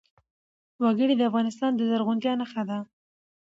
وګړي د افغانستان د زرغونتیا نښه ده.